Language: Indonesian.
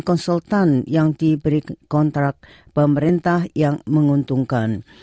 konsultan yang diberi kontrak pemerintah yang menguntungkan